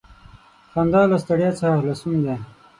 • خندا له ستړیا څخه خلاصون دی.